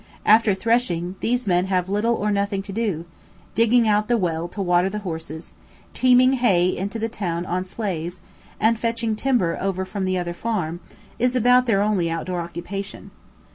After threshing, these men have little or nothing to do: digging out the well to water the horses, teaming hay into the town on sleighs, and fetching timber over from the other farm, is about their only outdoor occupation.